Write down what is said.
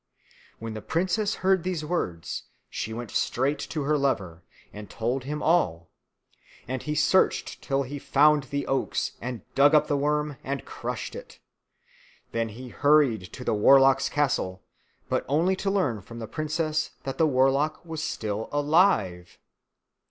When the princess heard these words, she went straight to her lover and told him all; and he searched till he found the oaks and dug up the worm and crushed it. Then he hurried to the warlock's castle, but only to learn from the princess that the warlock was still alive.